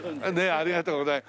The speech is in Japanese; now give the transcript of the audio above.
ありがとうございます。